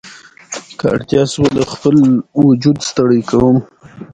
پکتیا د افغانستان د هیوادوالو لپاره ویاړ دی.